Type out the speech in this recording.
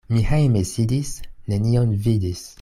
Mi hejme sidis, nenion vidis.